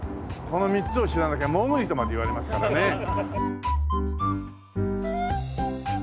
この３つを知らなきゃ潜りとまで言われますからね。